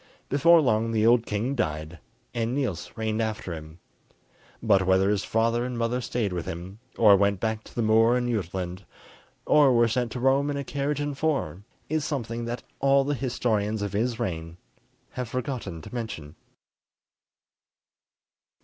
Before long the old king died, and Niels reigned after him; but whether his father and mother stayed with him, or went back to the moor in Jutland, or were sent to Rome in a carriage and four, is something that all the historians of his reign have forgotten to mention.